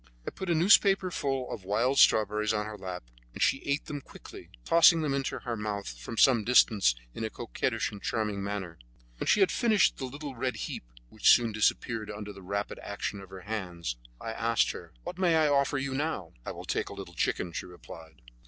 I put a newspaper full of wild strawberries on her lap, and she ate them quickly, tossing them into her mouth from some distance in a coquettish and charming manner. When she had finished the little red heap, which soon disappeared under the rapid action of her hands, I asked her: "What may I offer you now?" "I will take a little chicken," she replied.